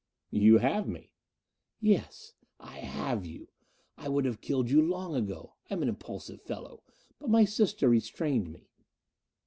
"You have me." "Yes. I have you. I would have killed you long ago I am an impulsive fellow but my sister restrained me."